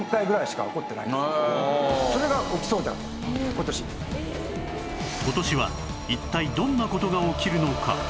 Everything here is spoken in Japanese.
今年は一体どんな事が起きるのか？